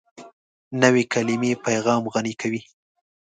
نوې کلیمه پیغام غني کوي